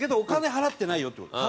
払ってないよって。